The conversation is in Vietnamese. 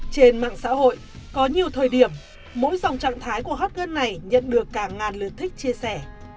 trên mạng xã hội có nhiều thời điểm mỗi dòng trạng thái của hot girl này nhận được cả ngàn lượt thích chia sẻ